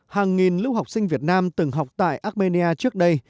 hàng nghìn lưu học sinh việt nam từng học tại armenia trước đây